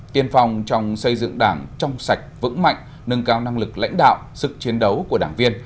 tiên phong trong xây dựng đảng trong sạch vững mạnh nâng cao năng lực lãnh đạo sức chiến đấu của đảng viên